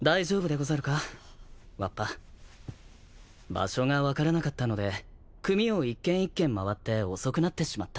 場所が分からなかったので組を一軒一軒まわって遅くなってしまった。